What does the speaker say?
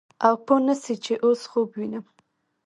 او پوه نه سې چې اوس خوب وينم.